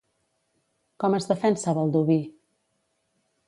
Com es defensa Baldoví?